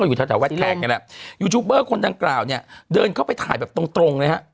ยูทิวเบอร์คนดังกล่าวเนี่ยเดินเข้าไปถ่ายแบบตรงตรงนะฮะ